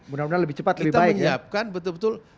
mudah mudahan lebih cepat kita menyiapkan betul betul